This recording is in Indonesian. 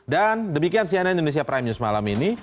dan demikian cnn indonesia prime news malam ini